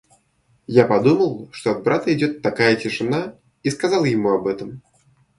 Я подумал, что от брата идет такая тишина, и сказал ему об этом.